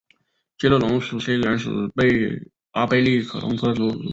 肌肉龙属是种原始阿贝力龙科恐龙。